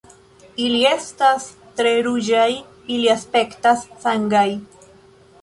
Ili estas tre ruĝaj. Ili aspektas sangaj.